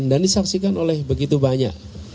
dan disaksikan oleh begitu banyak